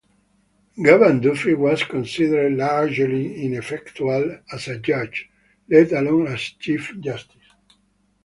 Gavan Duffy was considered largely ineffectual as a judge, let alone as Chief Justice.